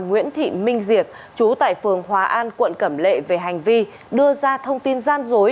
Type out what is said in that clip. nguyễn thị minh diệp chú tại phường hòa an quận cẩm lệ về hành vi đưa ra thông tin gian dối